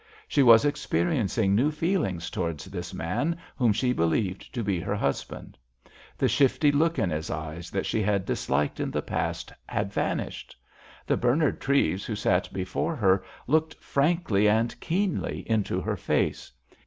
She was experiencing new feelings towards this man whom she believed to be her husband. The shifty look in his eyes that she had disliked in the past had vanished. The Bernard Treves who sat before her looked frankly and keenly into her face.